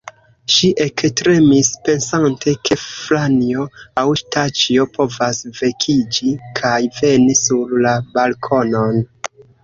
Ŝi ektremis pensante, ke Franjo aŭ Staĉjo povas vekiĝi kaj veni sur la balkonon.